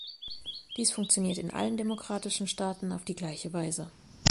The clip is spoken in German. Dies funktioniert in allen demokratischen Staaten auf die gleiche Weise.